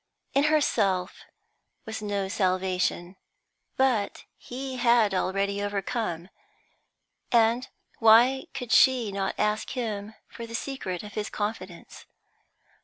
In herself was no salvation; but he had already overcome, and why could she not ask him for the secret of his confidence?